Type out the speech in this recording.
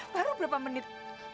baru berapa menit